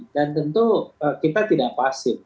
dan tentu kita tidak pasif